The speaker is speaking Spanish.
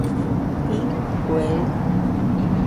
Y cuelga.